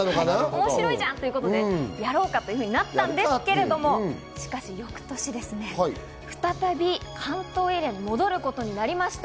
面白いじゃん！ということで、やろうかとなったんですけど、しかし翌年、再び関東エリアに戻ることになりました。